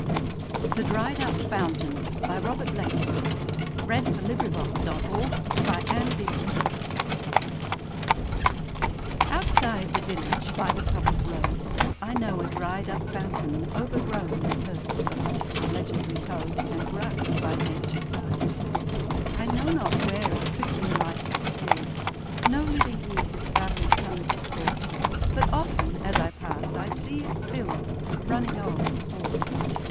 Anthology, 1837–1895. 1895. Robert Leighton 1822–69 The Dried up Fountain OUTSIDE the village, by the public road,I know a dried up fountain, overgrownWith herbs, the haunt of legendary toad, And grass, by Nature sown.I know not where its trickling life was still'd; No living ears its babbling tongue has caught; But often, as I pass, I see it fill'dAnd running o'er with thought.